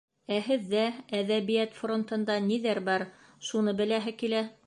Ә һеҙҙә, әҙәбиәт фронтында, ниҙәр бар, шуны беләһе килә.